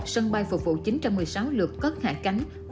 sân bay phục vụ chín trăm một mươi sáu lượt cất hạ cánh